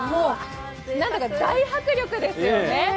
何だか大迫力ですよね。